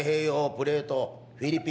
プレート